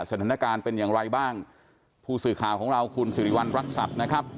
สถานการณ์เป็นอย่างไรบ้างผู้สื่อข่าวของเราคุณสิริวัณรักษัตริย์นะครับ